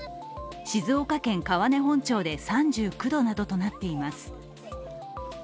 静岡県川根本町で３９度などとなっています。